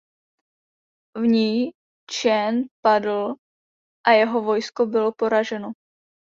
V ní Čchen padl a jeho vojsko bylo poraženo.